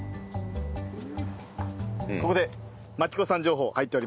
ここで万紀子さん情報入っております。